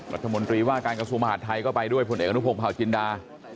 รัฐมนตรีว่าการกระทรวงมหาดไทยก็ไปด้วยผลเอกอนุพงศาวจินดา